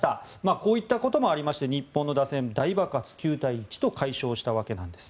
こういったこともありまして日本の打線、大爆発９対１と快勝したわけです。